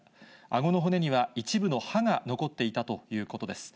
あごの骨には一部の歯が残っていたということです。